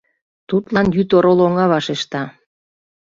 Тудлан йӱд орол оҥа вашешта.